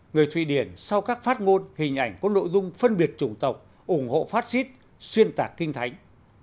người thụy điển sau các phát ngôn hình ảnh có nội dung phân biệt chủng tộc ủng hộ phát xít xuyên tạc kinh thánh